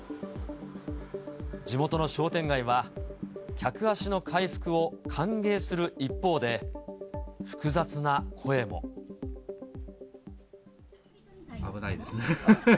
地元の商店街は、客足の回復を歓迎する一方で、危ないですね。